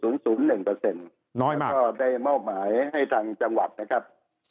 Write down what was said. น้อยก็ได้มอบหมายให้ทางจังหวัดนะครับ